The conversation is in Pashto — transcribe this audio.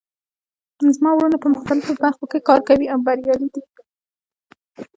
زما وروڼه په مختلفو برخو کې کار کوي او بریالي دي